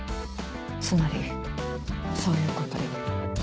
つまりそういうことよ。